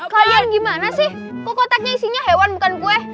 kalian gimana sih kok kotaknya isinya hewan bukan kue